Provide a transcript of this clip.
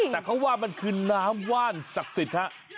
แต่เขาว่ามันคือน้ำว่านศักดิ์สิทธิ์ฮะ